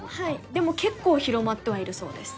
でも結構広まってはいるそうです。